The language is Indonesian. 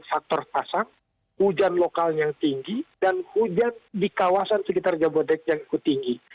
faktor pasang hujan lokal yang tinggi dan hujan di kawasan sekitar jabodebek yang ikut tinggi